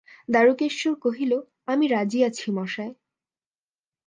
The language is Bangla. দারুকেশ্বর কহিল, আমি রাজি আছি মশায়।